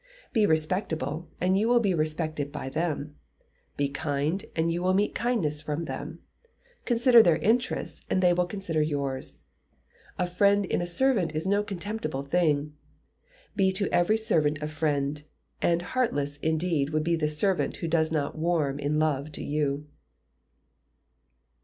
Be respectable, and you will be respected by them. Be kind, and you will meet kindness from them. Consider their interests, and they will consider yours. A friend in a servant is no contemptible thing. Be to every servant a friend; and heartless, indeed, will be the servant who does not warm in love to you.